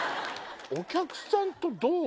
お客さんとどう。